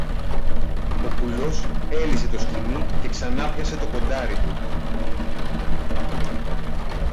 Ο κουλός έλυσε το σκοινί και ξανάπιασε το κοντάρι του